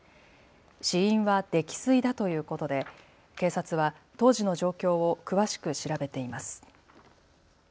死因は溺水だということで警察は当時の状況を詳しく調べています。